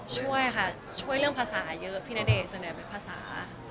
ช่วยเรื่องภาษาเยอะพี่ณเดชน์ส่วนใหญ่ภาษา